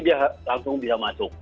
dia langsung bisa masuk